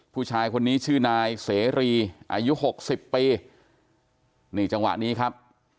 ผู้ชายคนนี้ชื่อนายเสรีอายุหกสิบปีนี่จังหวะนี้ครับ